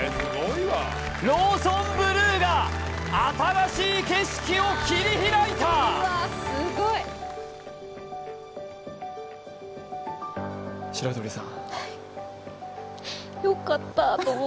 ローソンブルーが新しい景色を切り開いた白鳥さん